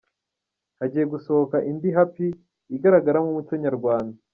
Hagiye gusohoka indi ’Happy’ igaragaramo Umuco Nyarwanda :.